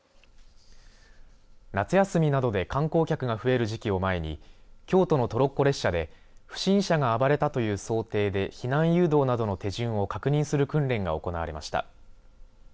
夏休みなどで観光客が増える時期を前に京都のトロッコ列車で不審者が暴れたという想定で避難誘導などの手順を確認する訓練が行われました。